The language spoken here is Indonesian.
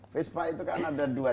vespa itu kan ada dua